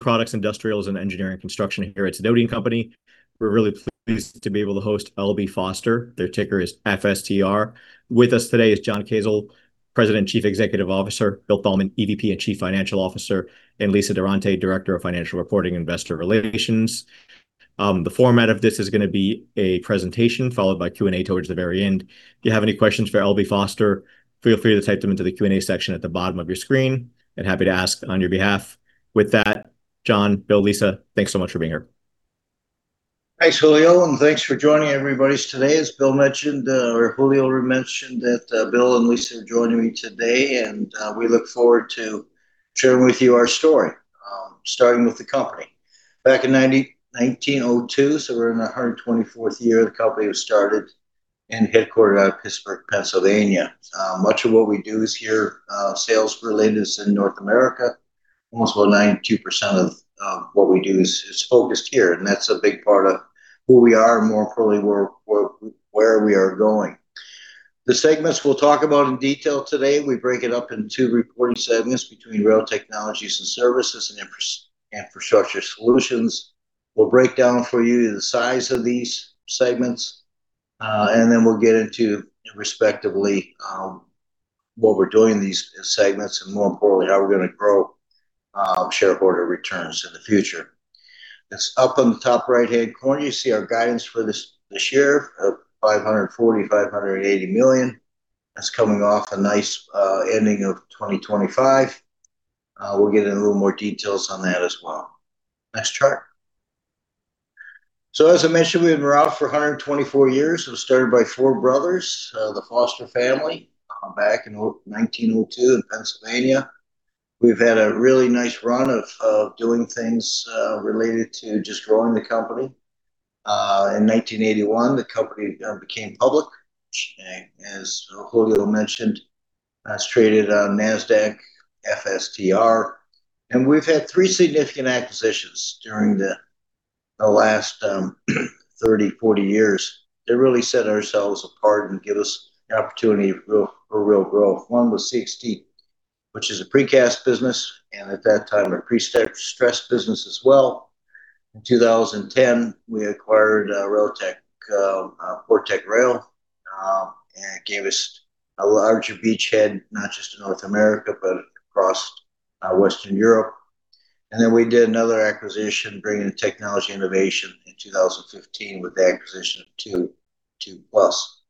Products, industrials, and engineering construction here at Sidoti & Company. We're really pleased to be able to host L.B. Foster. Their ticker is FSTR. With us today is John Kasel, President and Chief Executive Officer, William Thalman, EVP and Chief Financial Officer, and Lisa Durante, Director of Financial Reporting and Investor Relations. The format of this is gonna be a presentation followed by Q&A towards the very end. If you have any questions for L.B. Foster, feel free to type them into the Q&A section at the bottom of your screen. I'm happy to ask on your behalf. With that, John, Bill, Lisa, thanks so much for being here. Thanks, Julio, and thanks for joining everybody today. As Bill mentioned, or Julio mentioned that, Bill and Lisa are joining me today, and we look forward to sharing with you our story, starting with the company. Back in 1902, so we're in our 124th year. The company was started and headquartered out of Pittsburgh, Pennsylvania. Much of what we do is here, sales related is in North America. Almost about 92% of what we do is focused here, and that's a big part of who we are and more importantly, where we are going. The segments we'll talk about in detail today, we break it up into two reporting segments between Rail, Technologies, and Services and Infrastructure Solutions. We'll break down for you the size of these segments, and then we'll get into respectively, what we're doing in these segments and more importantly, how we're gonna grow, shareholder returns in the future. That's up in the top right-hand corner, you see our guidance for this year of $540 million-$580 million. That's coming off a nice ending of 2025. We'll get in a little more details on that as well. Next chart. As I mentioned, we've been around for 124 years. It was started by four brothers, the Foster family, back in 1902 in Pennsylvania. We've had a really nice run of doing things related to just growing the company. In 1981, the company became public. As Julio mentioned, it's traded on Nasdaq FSTR. We've had three significant acquisitions during the last 30-40 years that really set ourselves apart and give us the opportunity for real growth. One was CXT, which is a precast business, and at that time, a prestressed business as well. In 2010, we acquired Portec Rail, and it gave us a larger beachhead, not just in North America, but across Western Europe. Then we did another acquisition, bringing technology innovation in 2015 with the acquisition of TEW Plus.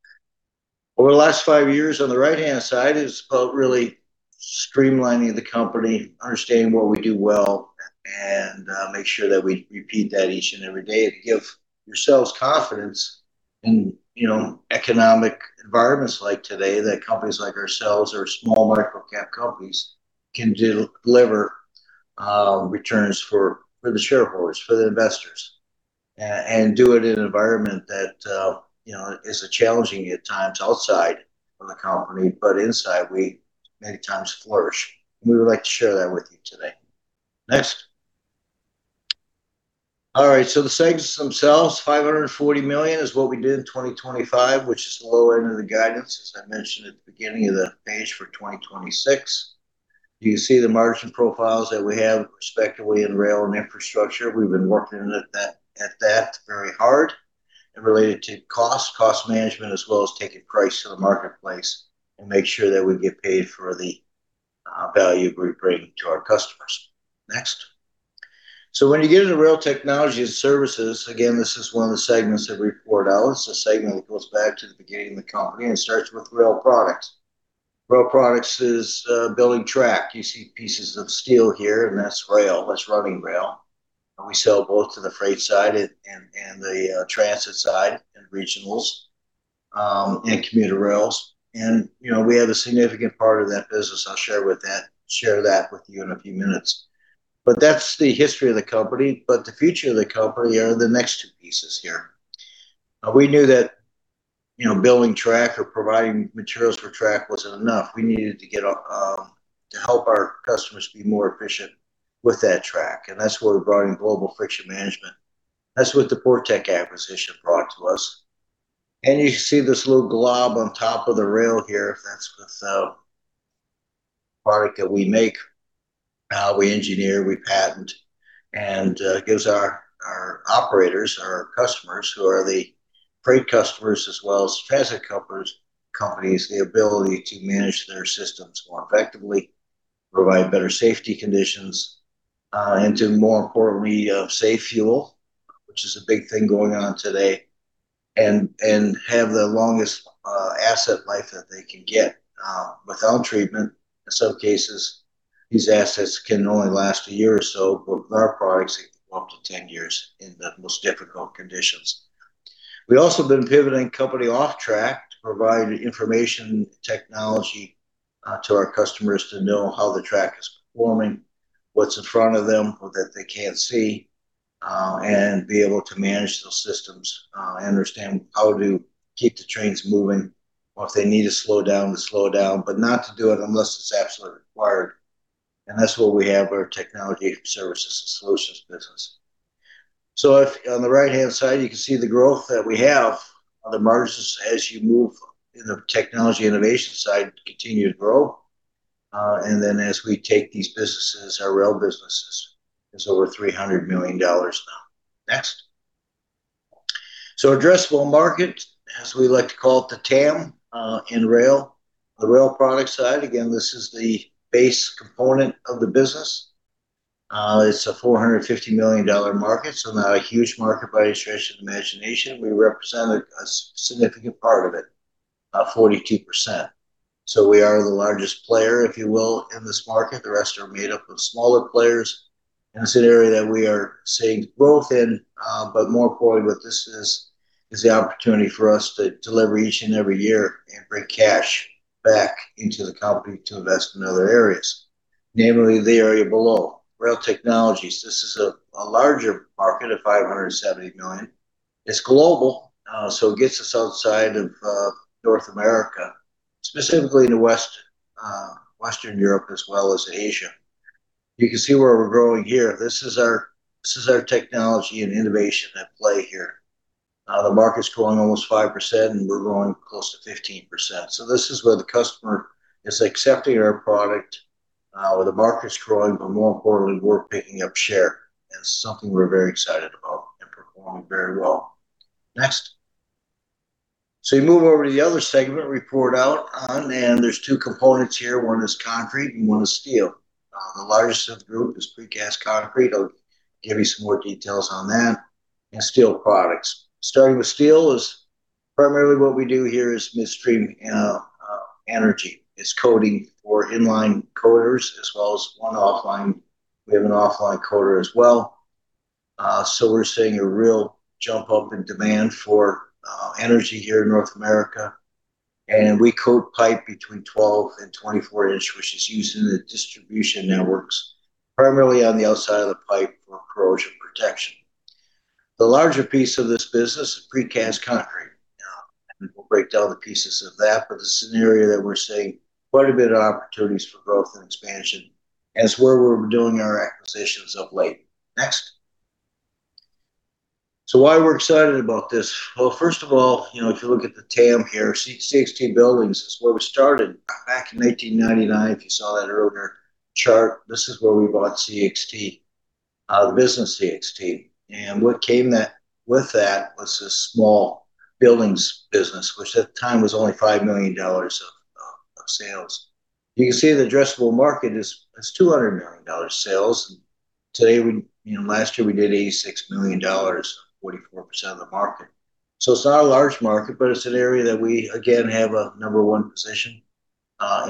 Over the last five years on the right-hand side is about really streamlining the company, understanding what we do well, and make sure that we repeat that each and every day to give ourselves confidence in, you know, economic environments like today that companies like ourselves or small micro-cap companies can deliver returns for the shareholders, for the investors, and do it in an environment that, you know, is challenging at times outside of the company, but inside we many times flourish. We would like to share that with you today. Next. All right, the segments themselves, $540 million is what we did in 2025, which is the low end of the guidance, as I mentioned at the beginning of the page for 2026. You see the margin profiles that we have respectively in rail and infrastructure. We've been working at that very hard and related to cost management, as well as taking price to the marketplace and make sure that we get paid for the value we're bringing to our customers. Next. When you get into Rail, Technologies Services, again, this is one of the segments that we report out. It's a segment that goes back to the beginning of the company, and it starts with Rail Products. Rail Products is building track. You see pieces of steel here, and that's rail. That's running rail. We sell both to the freight side and the transit side and regionals, and commuter rails. You know, we have a significant part of that business. I'll share that with you in a few minutes. That's the history of the company, but the future of the company are the next two pieces here. We knew that, you know, building track or providing materials for track wasn't enough. We needed to get to help our customers be more efficient with that track, and that's where we're bringing Global Friction Management. That's what the Portec acquisition brought to us. You see this little glob on top of the rail here, that's with a product that we make, we engineer, we patent, and it gives our operators, our customers, who are the freight customers as well as transit companies, the ability to manage their systems more effectively, provide better safety conditions, and to more importantly, save fuel, which is a big thing going on today, and have the longest asset life that they can get without treatment. In some cases, these assets can only last a year or so, but with our products, it can go up to 10 years in the most difficult conditions. We've also been pivoting company off track to provide information technology to our customers to know how the track is performing, what's in front of them or that they can't see, and be able to manage those systems, and understand how to keep the trains moving, or if they need to slow down, to slow down, but not to do it unless it's absolutely required. That's what we have, our Technology Services and Solutions business. If on the right-hand side, you can see the growth that we have on the margins as you move in the technology innovation side continue to grow. Then as we take these businesses, our rail businesses is over $300 million now. Next. Addressable market, as we like to call it, the TAM, in Rail, the Rail Products side, again, this is the base component of the business. It's a $450 million market, so not a huge market by any stretch of the imagination. We represent a significant part of it, 42%. We are the largest player, if you will, in this market. The rest are made up of smaller players, and it's an area that we are seeing growth in, but more importantly with this is the opportunity for us to deliver each and every year and bring cash back into the company to invest in other areas, namely the area below, Rail, Technologies. This is a larger market of $570 million. It's global, so it gets us outside of North America, specifically into Western Europe as well as Asia. You can see where we're growing here. This is our technology and innovation at play here. The market's growing almost 5%, and we're growing close to 15%. This is where the customer is accepting our product, where the market's growing, but more importantly, we're picking up share. It's something we're very excited about and performing very well. Next. You move over to the other segment we report out on, and there's two components here. One is concrete and one is steel. The largest of the group is Precast Concrete. I'll give you some more details on that and steel products. Starting with steel is primarily what we do here is midstream, you know, energy. It's coating for in-line coaters as well as one offline. We have an offline coater as well. We're seeing a real jump up in demand for energy here in North America. We coat pipe between 12- and 24-inch, which is used in the distribution networks primarily on the outside of the pipe for corrosion protection. The larger piece of this business is Precast Concrete. We'll break down the pieces of that, but this is an area that we're seeing quite a bit of opportunities for growth and expansion, and it's where we're doing our acquisitions of late. Next. Why we're excited about this? Well, first of all, you know, if you look at the TAM here, CXT Buildings is where we started back in 1999. If you saw that earlier chart, this is where we bought CXT, the business CXT. What came with that was a small buildings business, which at the time was only $5 million of sales. You can see the addressable market is $200 million sales. Today, we, you know, last year we did $86 million, 44% of the market. It's not a large market, but it's an area that we again have a number one position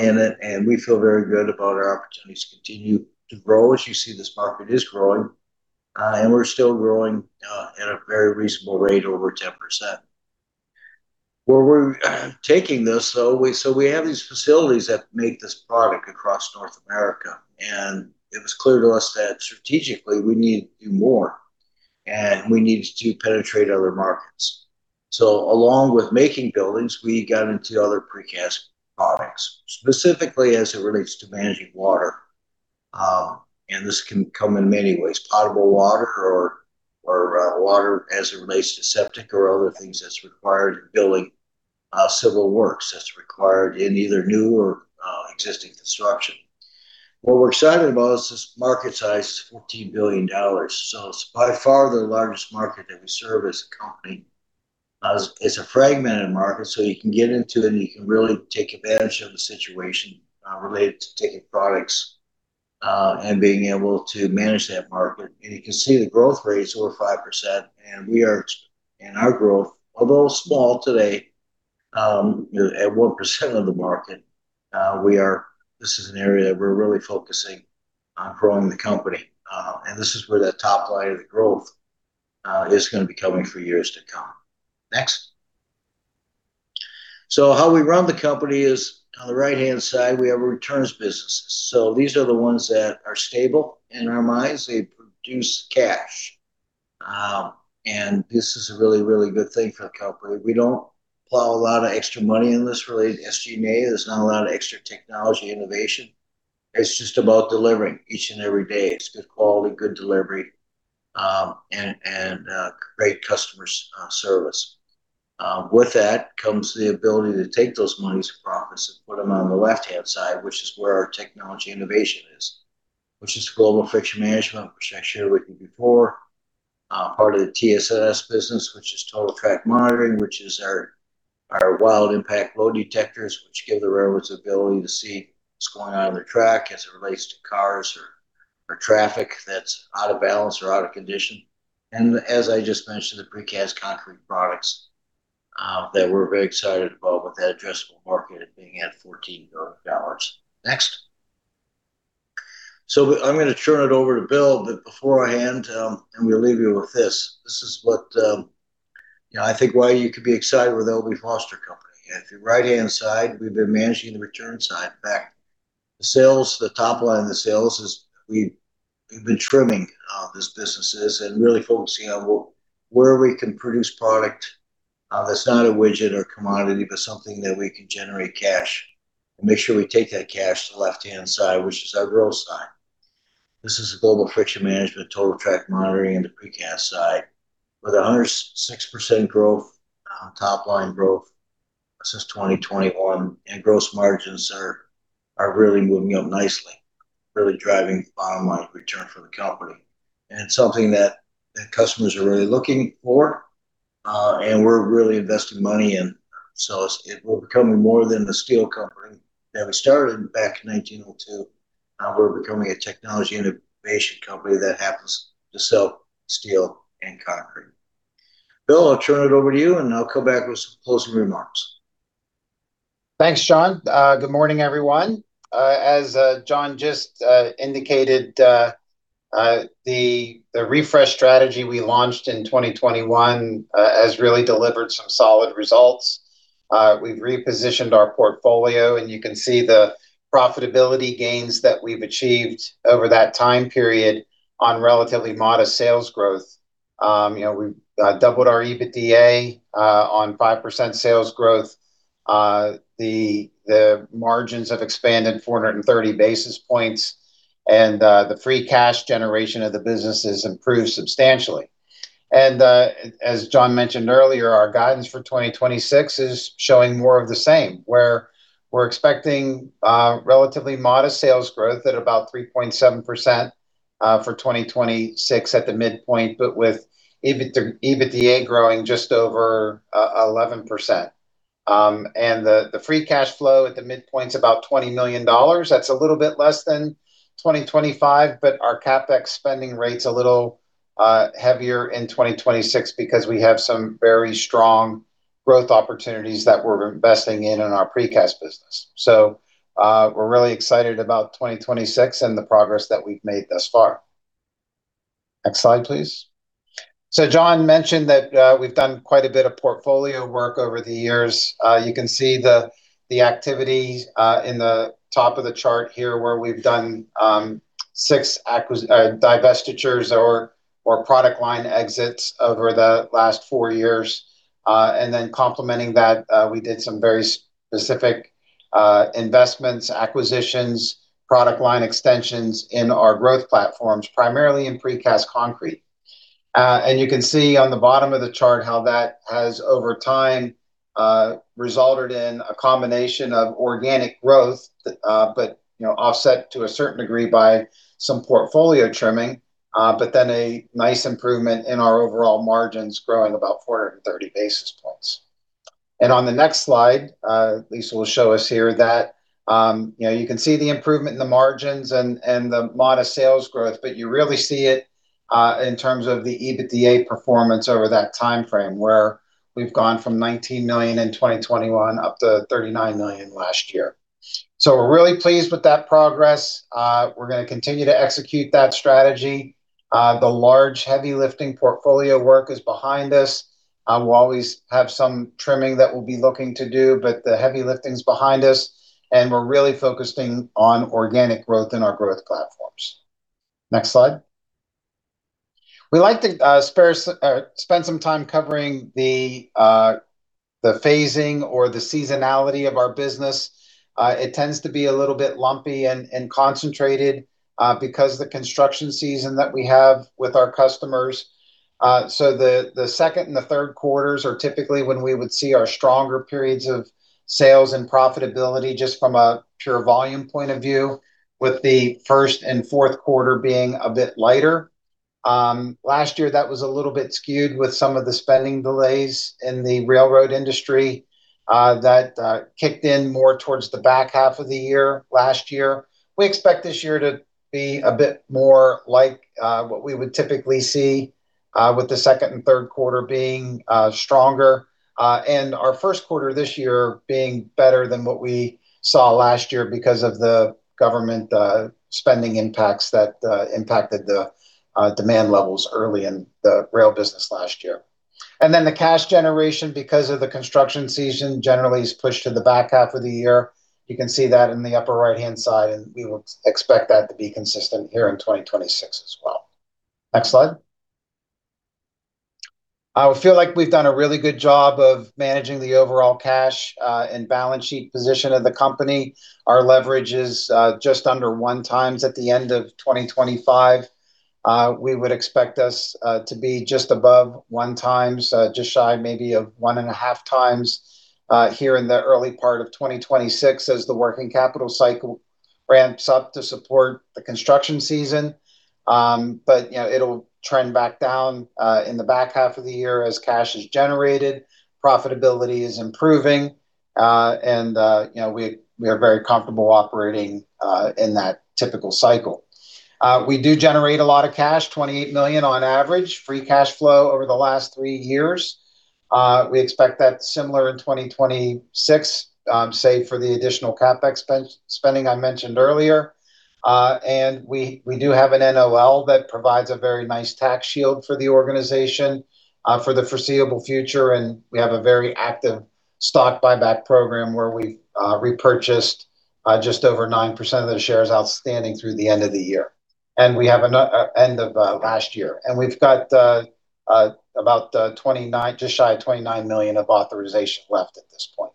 in it, and we feel very good about our opportunities to continue to grow. As you see, this market is growing, and we're still growing at a very reasonable rate, over 10%. Where we're taking this though, we have these facilities that make this product across North America, and it was clear to us that strategically we need to do more, and we needed to penetrate other markets. Along with making buildings, we got into other precast products, specifically as it relates to managing water. This can come in many ways, potable water or water as it relates to septic or other things that's required in building civil works, that's required in either new or existing construction. What we're excited about is this market size is $14 billion, so it's by far the largest market that we serve as a company. It's a fragmented market, so you can get into it, and you can really take advantage of the situation related to taking products and being able to manage that market. You can see the growth rate is over 5%, and our growth, although small today, you know, at 1% of the market, this is an area that we're really focusing on growing the company. This is where that top line of the growth is gonna be coming for years to come. Next. How we run the company is on the right-hand side, we have a returns business. These are the ones that are stable. In our minds, they produce cash. This is a really, really good thing for the company. We don't plow a lot of extra money in this related to SG&A. There's not a lot of extra technology innovation. It's just about delivering each and every day. It's good quality, good delivery, and great customer service. With that comes the ability to take those monies and profits and put them on the left-hand side, which is where our technology innovation is, which is Global Friction Management, which I shared with you before. Part of the TSS business, which is Total Track Monitoring, which is our wheel impact load detectors, which give the railroads the ability to see what's going on in their track as it relates to cars or traffic that's out of balance or out of condition. As I just mentioned, the Precast Concrete products that we're very excited about with that addressable market being at $14 billion. Next. I'm gonna turn it over to Bill Thalman, but beforehand, I'm gonna leave you with this. This is what, you know, I think why you could be excited with the L.B. Foster Company. At the right-hand side, we've been managing the return side. In fact, the sales, the top line of the sales is we've been trimming these businesses and really focusing on where we can produce product that's not a widget or commodity, but something that we can generate cash and make sure we take that cash to the left-hand side, which is our growth side. This is Global Friction Management, Total Track Monitoring, and the precast side with 106% growth, top line growth since 2021, and gross margins are really moving up nicely, really driving bottom line return for the company. Something that customers are really looking for, and we're really investing money in. We're becoming more than the steel company that we started back in 1902. Now we're becoming a technology innovation company that happens to sell steel and concrete. Bill, I'll turn it over to you, and I'll come back with some closing remarks. Thanks, John. Good morning, everyone. As John just indicated, the refresh strategy we launched in 2021 has really delivered some solid results. We've repositioned our portfolio, and you can see the profitability gains that we've achieved over that time period on relatively modest sales growth. You know, we've doubled our EBITDA on 5% sales growth. The margins have expanded 430 basis points, and the free cash generation of the business has improved substantially. As John mentioned earlier, our guidance for 2026 is showing more of the same, where we're expecting relatively modest sales growth at about 3.7% for 2026 at the midpoint, but with EBITDA growing just over 11%. The free cash flow at the midpoint's about $20 million. That's a little bit less than 2025, but our CapEx spending rate's a little heavier in 2026 because we have some very strong growth opportunities that we're investing in our precast business. We're really excited about 2026 and the progress that we've made thus far. Next slide, please. John mentioned that we've done quite a bit of portfolio work over the years. You can see the activity in the top of the chart here, where we've done six acquisitions, divestitures or product line exits over the last four years. Then complementing that, we did some very specific investments, acquisitions, product line extensions in our growth platforms, primarily in Precast Concrete. You can see on the bottom of the chart how that has over time resulted in a combination of organic growth, but, you know, offset to a certain degree by some portfolio trimming. A nice improvement in our overall margins growing about 430 basis points. On the next slide, Lisa will show us here that, you know, you can see the improvement in the margins and the modest sales growth, but you really see it in terms of the EBITDA performance over that timeframe, where we've gone from $19 million in 2021 up to $39 million last year. We're really pleased with that progress. We're gonna continue to execute that strategy. The large heavy lifting portfolio work is behind us. We'll always have some trimming that we'll be looking to do, but the heavy lifting's behind us, and we're really focusing on organic growth in our growth platforms. Next slide. We like to spend some time covering the phasing or the seasonality of our business. It tends to be a little bit lumpy and concentrated because of the construction season that we have with our customers. The second and the third quarters are typically when we would see our stronger periods of sales and profitability just from a pure volume point of view, with the first and fourth quarter being a bit lighter. Last year, that was a little bit skewed with some of the spending delays in the railroad industry that kicked in more towards the back half of the year last year. We expect this year to be a bit more like what we would typically see with the second and third quarter being stronger and our first quarter this year being better than what we saw last year because of the government spending impacts that impacted the demand levels early in the rail business last year. The cash generation, because of the construction season, generally is pushed to the back half of the year. You can see that in the upper right-hand side, and we would expect that to be consistent here in 2026 as well. Next slide. I feel like we've done a really good job of managing the overall cash and balance sheet position of the company. Our leverage is just under 1x at the end of 2025. We would expect us to be just above 1x, just shy maybe of 1.5x, here in the early part of 2026 as the working capital cycle ramps up to support the construction season. You know, it'll trend back down in the back half of the year as cash is generated, profitability is improving, and, you know, we are very comfortable operating in that typical cycle. We do generate a lot of cash, $28 million on average, free cash flow over the last three years. We expect that similar in 2026, save for the additional CapEx spending I mentioned earlier. We do have an NOL that provides a very nice tax shield for the organization for the foreseeable future. We have a very active stock buyback program where we've repurchased just over 9% of the shares outstanding through the end of last year. We've got just shy of $29 million of authorization left at this point.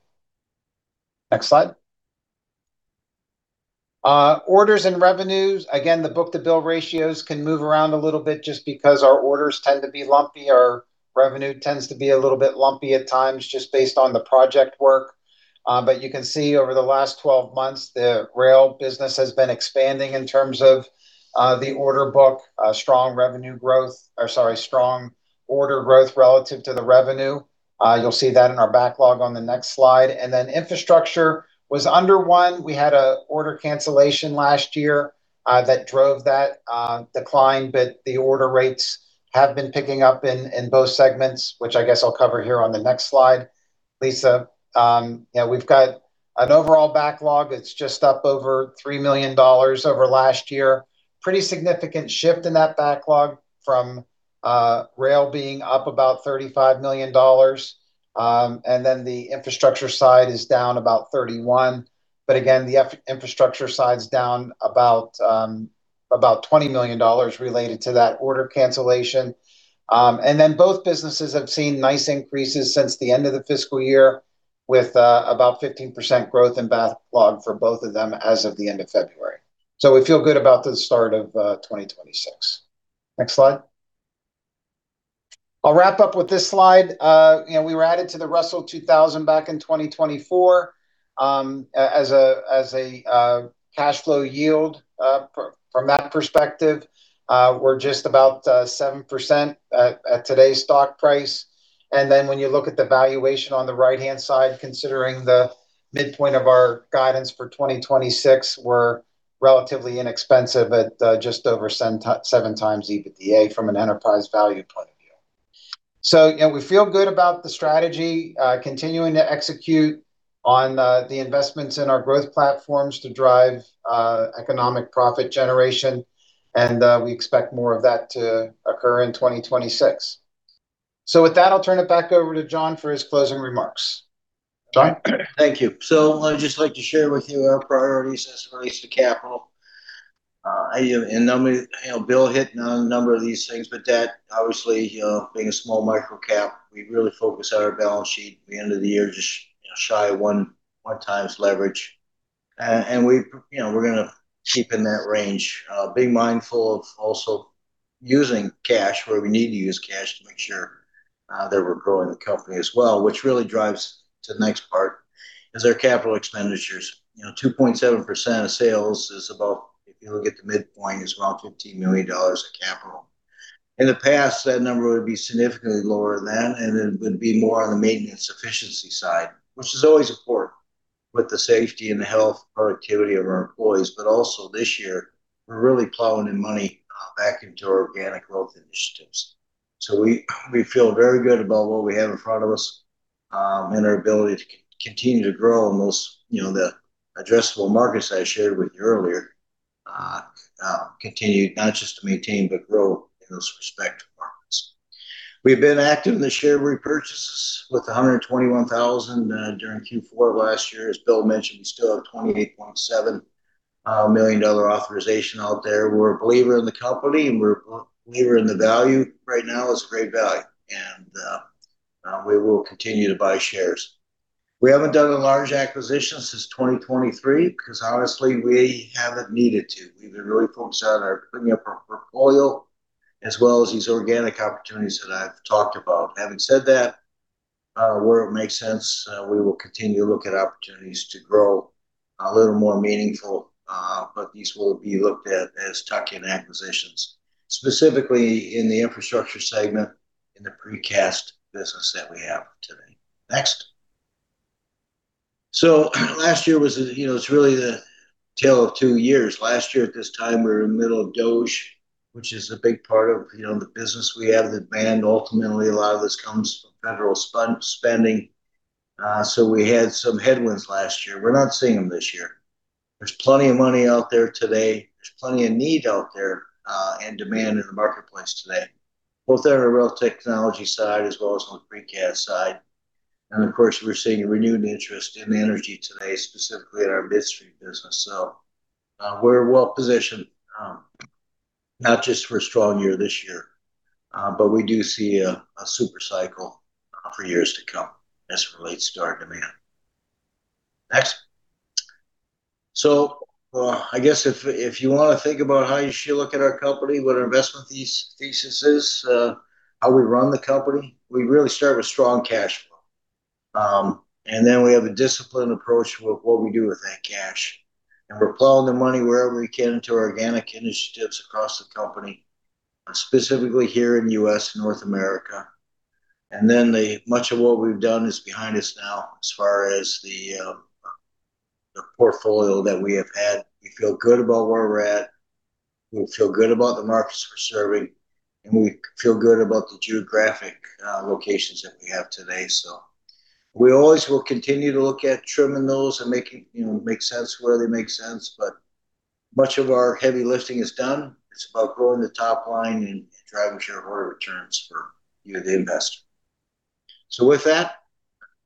Next slide. Orders and revenues. Again, the book-to-bill ratios can move around a little bit just because our orders tend to be lumpy. Our revenue tends to be a little bit lumpy at times just based on the project work. You can see over the last 12 months, the rail business has been expanding in terms of the order book, strong revenue growth or sorry, strong order growth relative to the revenue. You'll see that in our backlog on the next slide. Infrastructure was under 1. We had an order cancellation last year, that drove that decline, but the order rates have been picking up in both segments, which I guess I'll cover here on the next slide. Lisa, yeah, we've got an overall backlog that's just up over $3 million over last year. Pretty significant shift in that backlog from rail being up about $35 million. And then the infrastructure side is down about $31 million. But again, the infrastructure side's down about $20 million related to that order cancellation. Both businesses have seen nice increases since the end of the fiscal year with about 15% growth in backlog for both of them as of the end of February. We feel good about the start of 2026. Next slide. I'll wrap up with this slide. You know, we were added to the Russell 2000 back in 2024 as a cash flow yield. From that perspective, we're just about 7% at today's stock price. When you look at the valuation on the right-hand side, considering the midpoint of our guidance for 2026, we're relatively inexpensive at just over 7x EBITDA from an enterprise value point of view. You know, we feel good about the strategy, continuing to execute on the investments in our growth platforms to drive economic profit generation. We expect more of that to occur in 2026. With that, I'll turn it back over to John for his closing remarks. John? Thank you. I'd just like to share with you our priorities as it relates to capital. You know, Bill hit on a number of these things, but that obviously, you know, being a small micro cap, we really focus on our balance sheet at the end of the year, just shy of 1x leverage. And we, you know, we're gonna keep in that range, being mindful of also using cash where we need to use cash to make sure that we're growing the company as well, which really drives to the next part is our capital expenditures. You know, 2.7% of sales is about, if you look at the midpoint, is about $15 million of capital. In the past, that number would be significantly lower than, and it would be more on the maintenance efficiency side, which is always important with the safety and health productivity of our employees. Also this year, we're really plowing in money back into organic growth initiatives. We feel very good about what we have in front of us, and our ability to continue to grow in those, you know, the addressable markets I shared with you earlier, not just to maintain, but grow in those respective markets. We've been active in the share repurchases with 121,000 during Q4 last year. As Bill mentioned, we still have $28.7 million authorization out there. We're a believer in the company, and we're a believer in the value. Right now is a great value. We will continue to buy shares. We haven't done a large acquisition since 2023 because honestly, we haven't needed to. We've been really focused on bringing up our portfolio, as well as these organic opportunities that I've talked about. Having said that, where it makes sense, we will continue to look at opportunities to grow a little more meaningful, but these will be looked at as tuck-in acquisitions, specifically in the infrastructure segment in the precast business that we have today. Next. Last year was, you know, it's really the tale of two years. Last year at this time, we were in the middle of DOGE, which is a big part of, you know, the business we have, the demand. Ultimately, a lot of this comes from federal spending. We had some headwinds last year. We're not seeing them this year. There's plenty of money out there today. There's plenty of need out there, and demand in the marketplace today, both on a rail technology side as well as on the precast side. Of course, we're seeing a renewed interest in energy today, specifically in our midstream business. We're well-positioned, not just for a strong year this year, but we do see a super cycle for years to come as it relates to our demand. Next. I guess if you wanna think about how you should look at our company, what our investment thesis is, how we run the company, we really start with strong cash flow. And then we have a disciplined approach with what we do with that cash. We're plowing the money wherever we can into organic initiatives across the company, specifically here in U.S., North America. Much of what we've done is behind us now as far as the portfolio that we have had. We feel good about where we're at, we feel good about the markets we're serving, and we feel good about the geographic locations that we have today. We always will continue to look at trimming those and making you know, make sense where they make sense, but much of our heavy lifting is done. It's about growing the top line and driving shareholder returns for, you know, the investor. With that,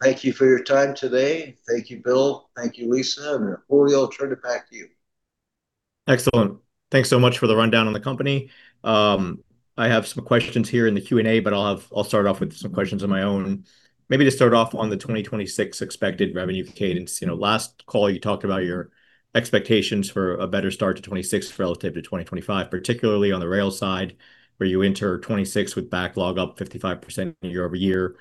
thank you for your time today. Thank you, Bill. Thank you, Lisa. And Julio, I'll turn it back to you. Excellent. Thanks so much for the rundown on the company. I have some questions here in the Q&A, but I'll start off with some questions of my own. Maybe just start off on the 2026 expected revenue cadence. You know, last call you talked about your expectations for a better start to 2026 relative to 2025, particularly on the rail side, where you enter 2026 with backlog up 55% year-over-year.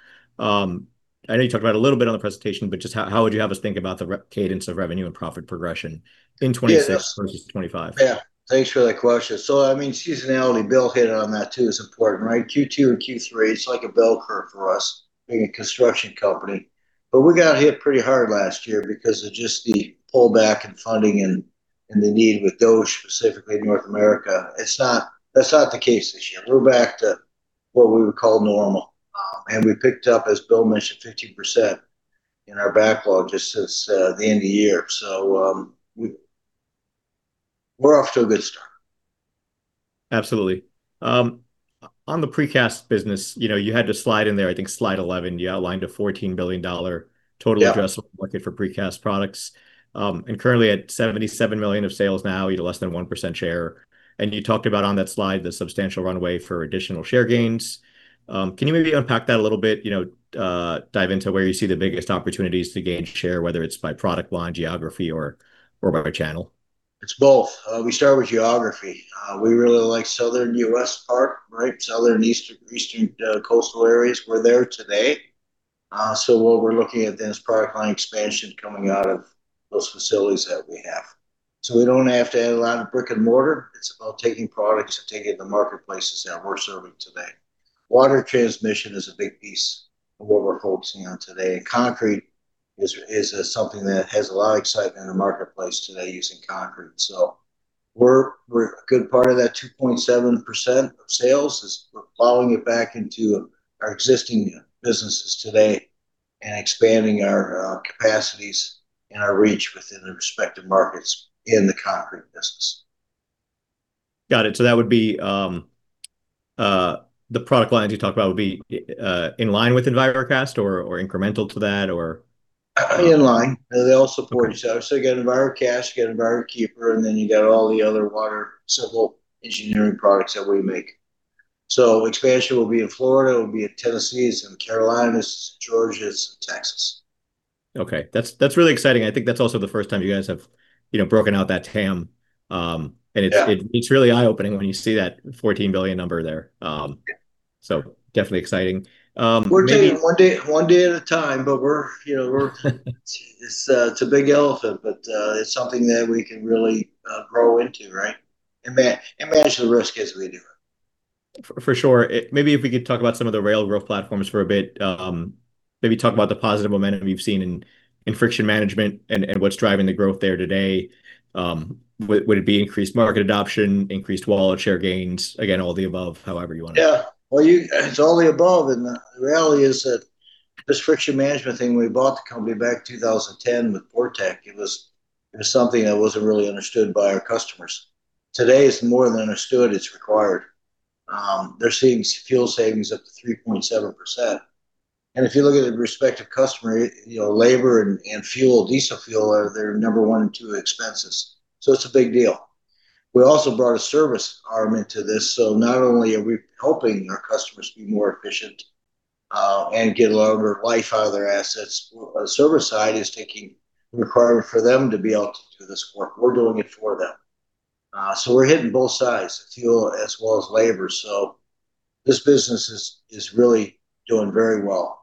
I know you talked about it a little bit on the presentation, but just how would you have us think about the re-cadence of revenue and profit progression in 2026? Yeah versus 2025? Yeah. Thanks for that question. I mean, seasonality, Bill hit on that too. It's important, right? Q2 and Q3, it's like a bell curve for us being a construction company. We got hit pretty hard last year because of just the pullback in funding and the need with DOGE, specifically North America. It's not. That's not the case this year. We're back to what we would call normal. We picked up, as Bill mentioned, 15% in our backlog just since the end of the year. We're off to a good start. Absolutely. On the precast business, you know, you had the slide in there, I think slide 11, you outlined a $14 billion total addressable market for precast products. Currently at $77 million of sales now, you know, less than 1% share. You talked about on that slide the substantial runway for additional share gains. Can you maybe unpack that a little bit? You know, dive into where you see the biggest opportunities to gain share, whether it's by product line, geography or by channel. It's both. We start with geography. We really like Southern U.S. part, right? Southern eastern coastal areas. We're there today. What we're looking at then is product line expansion coming out of those facilities that we have. We don't have to add a lot of brick and mortar. It's about taking products and taking the marketplaces that we're serving today. Water transmission is a big piece of what we're focusing on today. Concrete is something that has a lot of excitement in the marketplace today using concrete. We're a good part of that 2.7% of sales. We're plowing it back into our existing businesses today and expanding our capacities and our reach within the respective markets in the concrete business. Got it. That would be the product lines you talked about would be in line with Envirocast or incremental to that, or? In line. They all support each other. You got Envirocast, you got Envirokeeper, and then you got all the other water civil engineering products that we make. Expansion will be in Florida, it will be in Tennessee, some Carolinas, some Georgias, some Texas. Okay. That's really exciting. I think that's also the first time you guys have, you know, broken out that TAM. Yeah It's really eye-opening when you see that $14 billion number there. Definitely exciting. We're taking it one day at a time, but we're, you know, it's a big elephant, but it's something that we can really grow into, right? Manage the risk as we do it. For sure. Maybe if we could talk about some of the rail growth platforms for a bit, maybe talk about the positive momentum you've seen in Friction Management and what's driving the growth there today. Would it be increased market adoption, increased wallet share gains? Again, all the above, however you want to Well, it's all the above and the reality is that this Friction Management thing, we bought the company back in 2010 with Portec. It was something that wasn't really understood by our customers. Today, it's more than understood, it's required. They're seeing fuel savings up to 3.7%. If you look at the respective customer, you know, labor and fuel, diesel fuel are their number one and two expenses. It's a big deal. We also brought a service arm into this, so not only are we helping our customers be more efficient and get a longer life out of their assets, our service side is taking the requirement for them to be able to do this work. We're doing it for them. We're hitting both sides, fuel as well as labor. This business is really doing very well.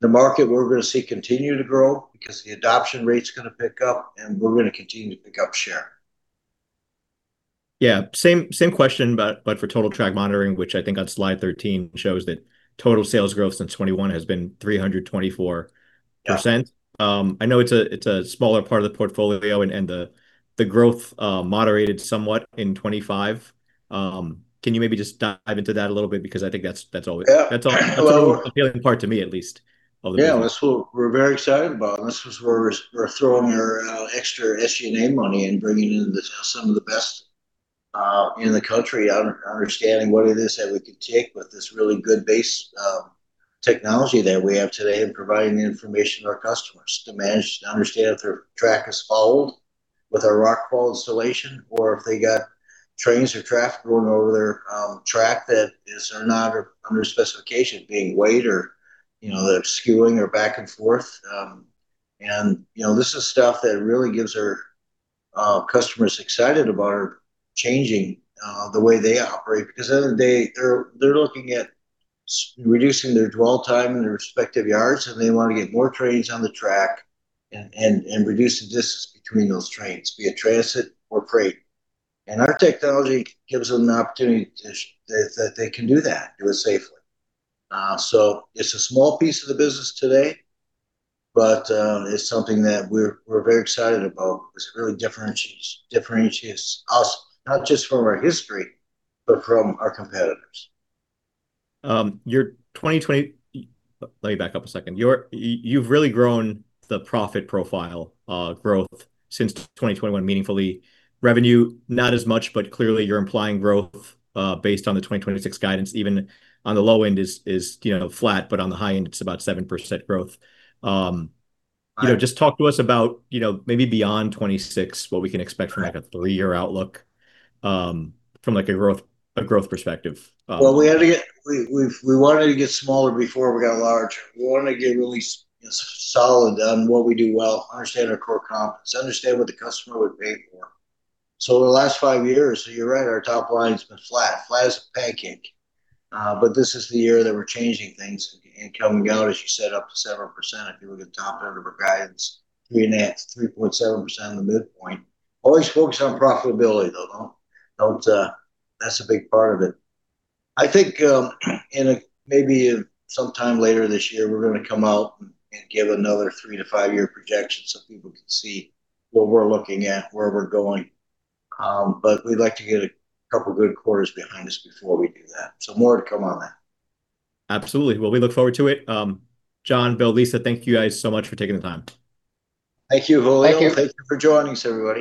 The market, we're gonna see continue to grow because the adoption rate's gonna pick up and we're gonna continue to pick up share. Same question, but for Total Track Monitoring, which I think on slide 13 shows that total sales growth since 2021 has been 324%. Yeah. I know it's a smaller part of the portfolio and the growth moderated somewhat in 2025. Can you maybe just dive into that a little bit? Because I think that's always- Yeah. That's all one part to me at least. Yeah. That's what we're very excited about, and this is where we're throwing our extra SG&A money and bringing in some of the best in the country understanding what it is that we can take with this really good base technology that we have today and providing the information to our customers to manage, to understand if their track is fouled with our Rocla installation or if they got trains or traffic going over their track that is or not under specification, being weight or, you know, they're skewing or back and forth. You know, this is stuff that really gets our customers excited about our changing the way they operate because at the end of the day, they're looking at reducing their dwell time in their respective yards, and they want to get more trains on the track and reduce the distance between those trains, be it transit or freight. Our technology gives them an opportunity to show that they can do that, do it safely. It's a small piece of the business today. It's something that we're very excited about because it really differentiates us, not just from our history, but from our competitors. You've really grown the profit profile growth since 2021 meaningfully. Revenue, not as much, but clearly you're implying growth based on the 2026 guidance, even on the low end is, you know, flat, but on the high end, it's about 7% growth. Right You know, just talk to us about, you know, maybe beyond 26, what we can expect from, like, a growth perspective. Well, we wanted to get smaller before we got large. We wanted to get really solid on what we do well, understand our core competence, understand what the customer would pay for. The last 5 years, you're right, our top line's been flat as a pancake. This is the year that we're changing things and coming out, as you said, up to 7% if you look at the top end of our guidance, 3.5, 3.7% on the midpoint. Always focus on profitability, though. That's a big part of it. I think, maybe sometime later this year, we're gonna come out and give another three-five-year projection so people can see what we're looking at, where we're going. We'd like to get a couple good quarters behind us before we do that. More to come on that. Absolutely. Well, we look forward to it. John, Bill, Lisa, thank you guys so much for taking the time. Thank you, Julio. Thank you. Thank you for joining us, everybody.